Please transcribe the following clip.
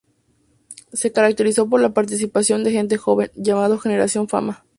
Se caracterizó por la participación de gente joven, llamados "Generación Fama".